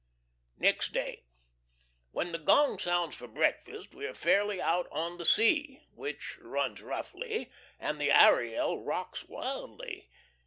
NEXT DAY When the gong sounds for breakfast we are fairly out on the sea, which runs roughly, and the Ariel rocks wildly.